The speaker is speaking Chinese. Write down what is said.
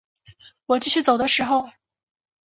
我继续走的时候